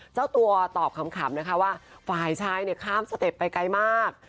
เจ้าตัวตอบขำนะคะว่าฝ่ายชายข้ามสเต็ปไปไกลมาก